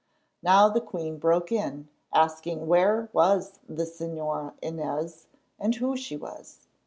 Now the queen broke in, asking where was the Señora Inez, and who she was.